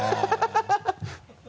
ハハハ